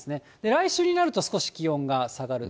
来週になると少し気温が下がる。